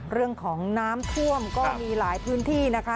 เรื่องของน้ำท่วมก็มีหลายพื้นที่นะคะ